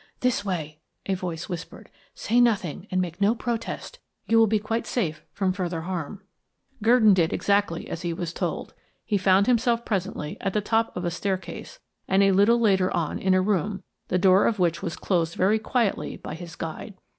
"This way," a voice whispered. "Say nothing, and make no protest. You will be quite safe from further harm." Gurdon did exactly as he was told. He found himself presently at the top of a staircase, and a little later on in a room, the door of which was closed very quietly by his guide.